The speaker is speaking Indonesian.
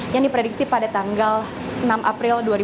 yang diprediksi pada tanggal enam april dua ribu dua puluh